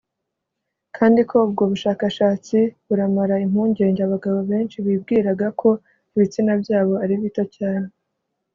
kandi ko ubwo bushakashatsi buramara impungenge abagabo benshi bibwiraga ko ibitsina byabo ari bito cyane